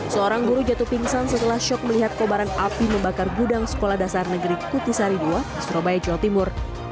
seorang guru jatuh pingsan setelah shock melihat kobaran api membakar gudang sekolah dasar negeri kutisari ii surabaya jawa timur